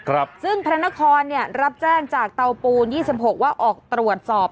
ครับซึ่งพนักธรรมเนี่ยรับแจ้งจากเตาปูน๒๖ว่าออกตรวจสอบ